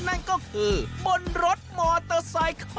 นั่นก็คือบนรถมอเตอร์ไซค์ของ